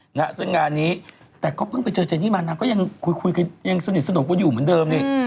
นะฮะซึ่งงานนี้แต่ก็เพิ่งไปเจอเจนี่มานางก็ยังคุยคุยกันยังสนิทสนมกันอยู่เหมือนเดิมนี่